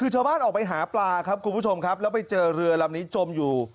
ชาวบ้านออกไปหาปลาครับและมาเจอเรือลำนี้จมอยู่